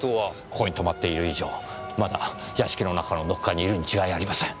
ここに止まっている以上まだ屋敷の中のどこかにいるに違いありません。